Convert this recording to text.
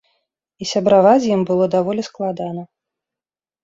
І сябраваць з ім было даволі складана.